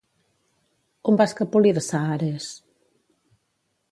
On va escapolir-se Ares?